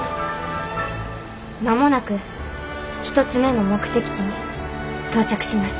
間もなく１つ目の目的地に到着します。